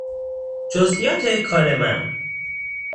جزئیات کار من